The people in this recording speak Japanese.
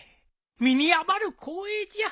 身に余る光栄じゃ。